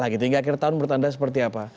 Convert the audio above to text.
nah gitu hingga akhir tahun menurut anda seperti apa